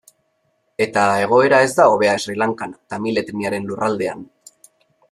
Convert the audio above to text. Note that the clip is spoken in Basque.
Eta egoera ez da hobea Sri Lankan, tamil etniaren lurraldean.